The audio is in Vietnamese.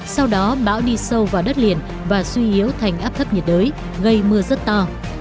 sau đó bão đi sâu vào đất liền và suy yếu thành áp thấp nhiệt đới gây mưa rất to